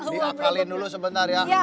diakalin dulu sebentar ya